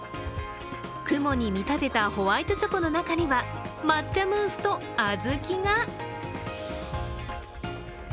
雲に見立てたホワイトチョコの中には、抹茶ムースとあずきが。